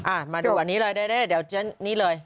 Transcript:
อ่ามาดีกว่านี้เลยได้เดี๋ยวนี้เลย